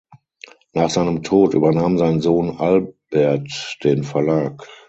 Nach seinem Tod übernahm sein Sohn Albert den Verlag.